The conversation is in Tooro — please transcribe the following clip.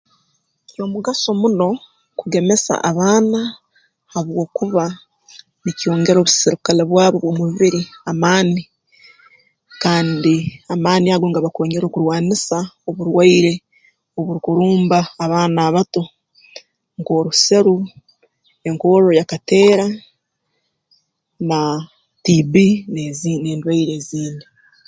Ky'omugaso muno kugemesa abaana habwokuba nikyongera obusirikale bwabo bw'omubiri amaani kandi amaani ago ngabakonyeera okurwanisa oburwaire oburukurumba abaana abato nk'oruseru enkorro ya kateera na T.B. n'ezi n'endwaire ezindi